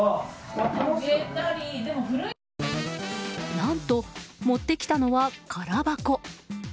何と持ってきたのは空箱。